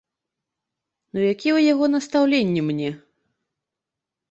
Ну якія ў яго настаўленні мне?